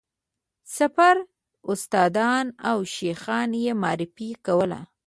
د سفر استادان او شیخان یې معرفي کول.